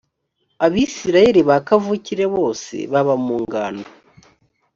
abisirayeli ba kavukire bose baba mu ngando.